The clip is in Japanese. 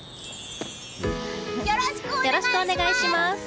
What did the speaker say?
よろしくお願いします！